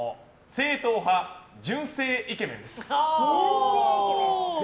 正統派純正イケメン？